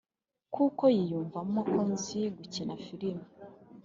kuko niyumvamo ko nzi gukina firime,